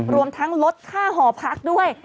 รวมทั้งลดค่าหอพักด้วย